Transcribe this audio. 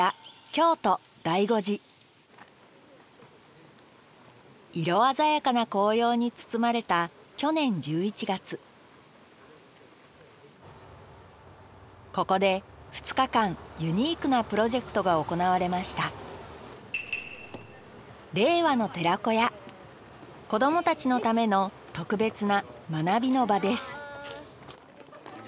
京都醍醐寺色鮮やかな紅葉に包まれた去年１１月ここで２日間ユニークなプロジェクトが行われました子どもたちのための特別な学びの場です